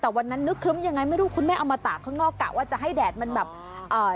แต่วันนั้นนึกครึ้มยังไงไม่รู้คุณแม่เอามาตากข้างนอกกะว่าจะให้แดดมันแบบเอ่อ